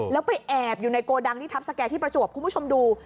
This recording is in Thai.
แล้วไปแอบอยู่ในโกดังที่ทัพสแก่ที่ประจวบคุณผู้ชมดู